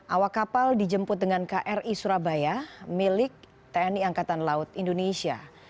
awak kapal dijemput dengan kri surabaya milik tni angkatan laut indonesia